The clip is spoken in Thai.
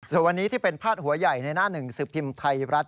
ส่วนวันนี้ที่เป็นพาดหัวใหญ่ในหน้าหนึ่งสิบพิมพ์ไทยรัฐ